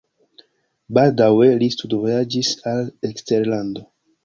Baldaŭe li studvojaĝis al eksterlando.